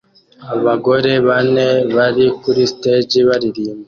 Abagore bane bari kuri stage baririmba